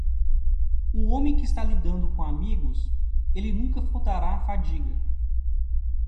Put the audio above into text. O homem que está lidando com amigos, ele nunca faltará fadiga.